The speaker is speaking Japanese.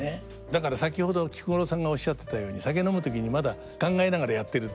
だから先ほど菊五郎さんがおっしゃってたように「酒飲む時にまだ考えながらやってる」。